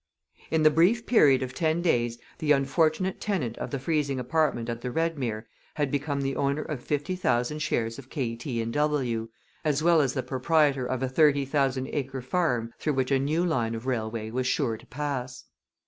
In the brief period of ten days the unfortunate tenant of the freezing apartment at the Redmere had become the owner of fifty thousand shares of K., T. & W., as well as the proprietor of a thirty thousand acre farm through which a new line of railway was sure to pass.